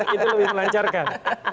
itu lebih melancarkan